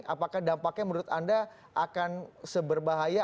apakah dampaknya menurut anda akan seberbahaya